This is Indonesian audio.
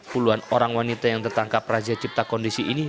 puluhan orang wanita yang tertangkap razia cipta kondisi ini